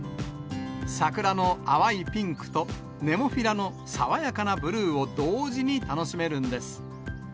桜の淡いピンクと、ネモフィラの爽やかなブルーを同時に楽しめるんです。